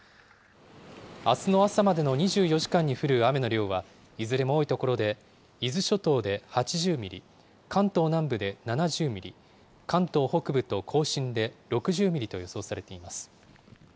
あすの朝までの２４時間に降る雨の量は、いずれも多い所で、伊豆諸島で８０ミリ、関東南部で７０ミリ、関東北部と甲信で６０ミリと予想されています。